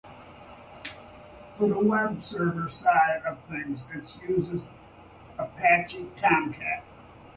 For the web server side of things, it uses Apache Tomcat.